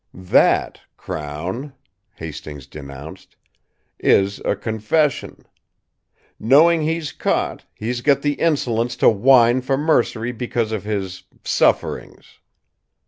"That, Crown," Hastings denounced, "is a confession! Knowing he's caught, he's got the insolence to whine for mercy because of his 'sufferings'!